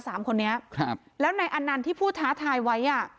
สามคนนี้ครับแล้วนายอนันต์ที่พูดท้าทายไว้อ่ะ